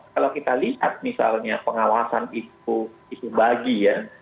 kalau kita lihat misalnya pengawasan itu itu bagi ya